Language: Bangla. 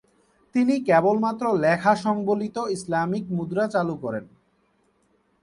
তিনি কেবলমাত্র লেখা সংবলিত ইসলামিক মুদ্রা চালু করেন।